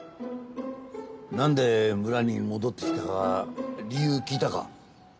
何で村に戻ってきたか理由聞いたか？